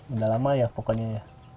udah lama ya pokoknya ya